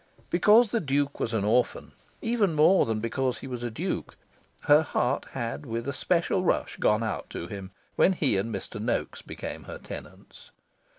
Because the Duke was an orphan, even more than because he was a Duke, her heart had with a special rush gone out to him when he and Mr. Noaks became her tenants.